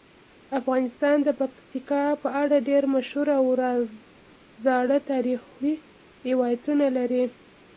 افغانستان د پکتیکا په اړه ډیر مشهور او زاړه تاریخی روایتونه لري.